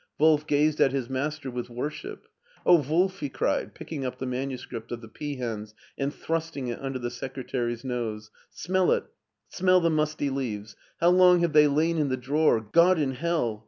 Wolf gazed at his master with worship. "Oh, Wolf!" he cried, picking up the manuscript of the peahens and thrusting it under the secretary's nose, "smell it, smell the musty leaves. How long have they lain in the drawer! God in hell!